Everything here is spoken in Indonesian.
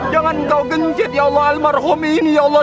jangan kau gencet almarhum ini ya allah